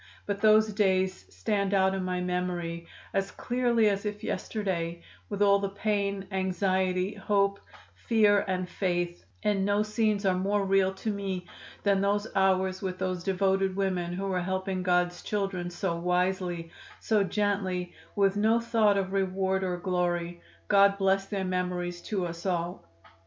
But those days stand out in my memory as clearly as if yesterday, with all the pain, anxiety, hope, fear and faith, and no scenes are more real to me than those hours with those devoted women who were helping God's children so wisely, so gently, with no thought of reward or glory! God bless their memories to us all."